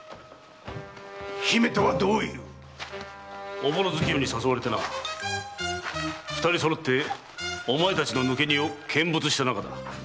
おぼろ月夜に誘われてな二人そろってお前たちの抜け荷を見物した仲だ。